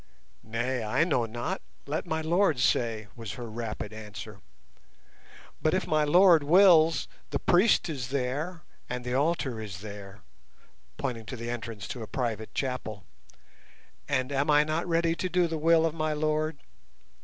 "Nay, I know not; let my lord say," was her rapid answer; "but if my lord wills, the priest is there and the altar is there"—pointing to the entrance to a private chapel—"and am I not ready to do the will of my lord?